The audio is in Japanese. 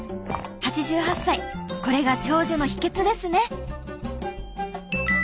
８８歳これが長寿の秘けつですね。